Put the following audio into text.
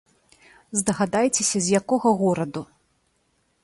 Здагадайцеся, з якога гораду?